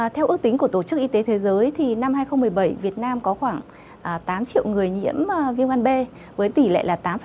theo ước tính của tổ chức y tế thế giới năm hai nghìn một mươi bảy việt nam có khoảng tám triệu người nhiễm viêm gan b với tỷ lệ là tám